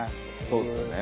そうですよね。